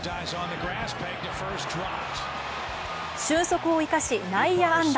俊足を生かし内野安打。